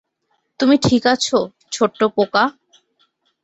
তুমি ঠিক আছ, ছোট্ট পোকা?